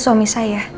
itu suami saya